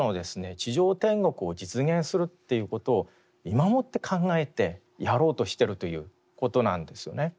地上天国を実現するっていうことを今もって考えてやろうとしてるということなんですよね。